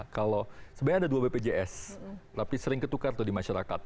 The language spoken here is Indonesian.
kalau sebenarnya ada dua bpjs tapi sering ketukar tuh di masyarakat